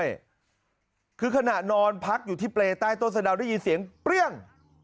ใช่คือขณะนอนพักอยู่ที่เปรย์ใต้ต้นสะดาวได้ยินเสียงเปรี้ยง